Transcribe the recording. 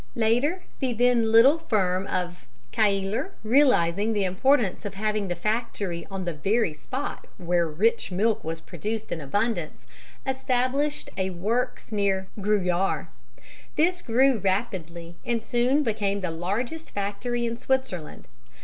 Later the then little firm of Cailler, realising the importance of having the factory on the very spot where rich milk was produced in abundance, established a works near Gruyères. This grew rapidly and soon became the largest factory in Switzerland.